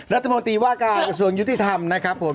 รัฐมนตรีว่าการกระทรวงยุติธรรมนะครับผม